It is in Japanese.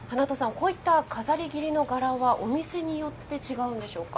こういった飾り切りの柄はお店によって違うんでしょうか？